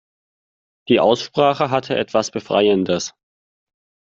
Die Aussprache hatte etwas Befreiendes.